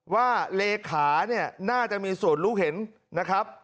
ว่าเลขาเนี่ยน่าจะมีส่วนรู้เห็นนะครับ